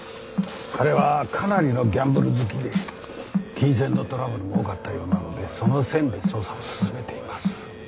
彼はかなりのギャンブル好きで金銭のトラブルも多かったようなのでその線で捜査を進めています。